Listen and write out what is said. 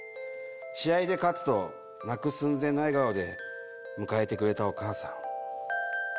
試合で勝つと泣く寸前の笑顔で迎えてくれたお母さん。